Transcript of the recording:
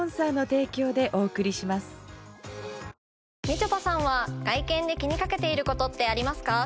みちょぱさんは外見で気にかけていることってありますか？